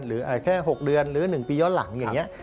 หรือแค่๖เดือนหรือ๑ปีย้อนหลังอย่างนี้